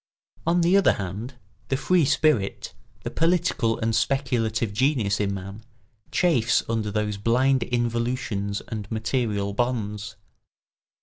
On the other hand, the free spirit, the political and speculative genius in man, chafes under those blind involutions and material bonds.